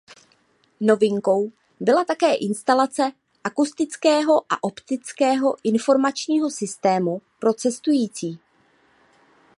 Novinkou byla také instalace akustického a optického informačního systému pro cestující.